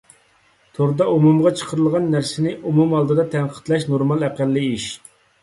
توردا ئومۇمغا چىقىرىلغان نەرسىنى ئومۇم ئالدىدا تەنقىدلەش نورمال ئەقەللىي ئىش.